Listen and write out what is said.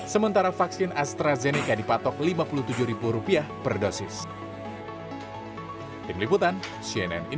sementara vaksin astrazeneca dipatok rp lima puluh tujuh per dosis